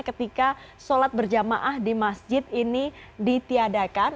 ketika sholat berjamaah di masjid ini ditiadakan